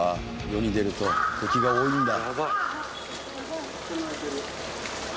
世に出ると敵が多いんだ。